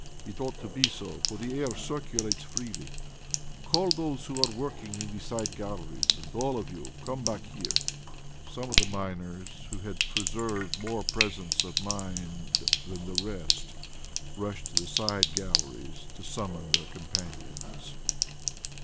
It ought to be so, for the air circulates freely. Call those who are working in the side galleries, and all of you come back here." Some of the miners, who had preserved more presence of mind than the rest, rushed to the side galleries to summon their companions.